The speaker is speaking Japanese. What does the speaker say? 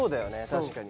確かに。